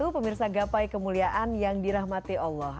pemirsa gapai kemuliaan yang dirahmati allah